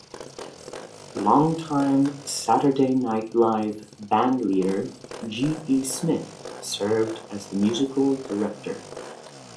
Longtime "Saturday Night Live" bandleader G. E. Smith served as the musical director.